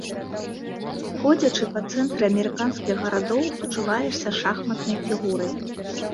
Ходзячы па цэнтры амерыканскіх гарадоў, пачуваешся шахматнай фігурай.